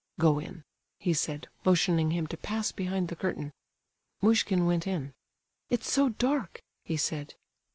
"Go in," he said, motioning him to pass behind the curtain. Muishkin went in. "It's so dark," he said.